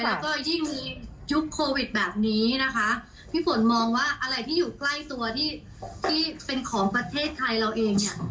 แล้วก็ยิ่งมียุคโควิดแบบนี้นะคะพี่ฝนมองว่าอะไรที่อยู่ใกล้ตัวที่เป็นของประเทศไทยเราเองเนี่ย